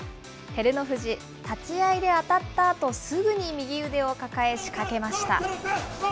照ノ富士、立ち合いで当たったあとすぐに右腕を抱え、仕掛けました。